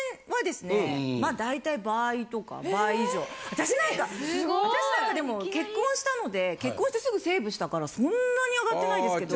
私なんかでも結婚したので結婚してすぐセーブしたからそんなに上がってないですけど。